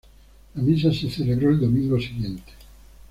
La misa se celebró el domingo siguiente.